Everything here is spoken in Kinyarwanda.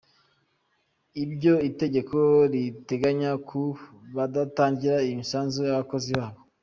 Ibyo itegeko riteganya ku badatangira imisanzu abakozi babo.